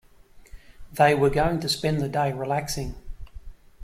They were going to spend the day relaxing.